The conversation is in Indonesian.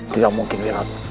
tidak mungkin wirat